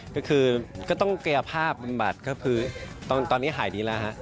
ก็คือก็ต้องกายภาพบำบัดก็คือตอนนี้หายดีแล้วฮะ